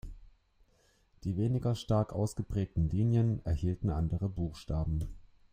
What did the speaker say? Die weniger stark ausgeprägten Linien erhielten andere Buchstaben.